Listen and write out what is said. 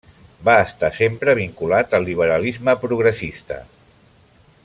Va estar sempre vinculat al liberalisme progressista.